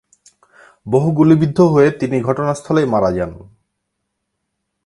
বহু গুলিবিদ্ধ হয়ে তিনি ঘটনাস্থলেই মারা যান।